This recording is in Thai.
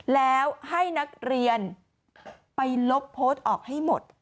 แล้วให้นักเรียนไปลบโพสต์ออกให้หมด